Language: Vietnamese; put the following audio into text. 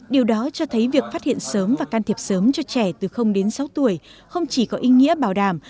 điều đó cho thấy việc phát hiện sớm và can thiệp sớm cho trẻ từ đến sáu tuổi không chỉ có ý nghĩa bảo đảm